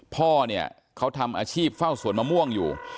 พ่อเนี่ยเขาทำอาชีพเฝ้าสวนมะม่วงอยู่